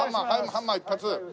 ハンマー一発。